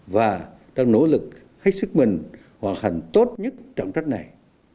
và đang nỗ lực hết sức mình hoạt hành tốt nhất trọng trách này